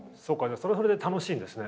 それはそれで楽しいんですね。